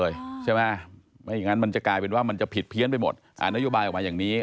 กลัวว่ามันก็จะกลายเป็นแหล่งโมสุมซะเปล่าแทนที่จะเป็นเรื่องดี